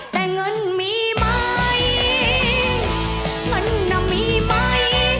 แต่เงินมีไหมเงินน่ะมีไหม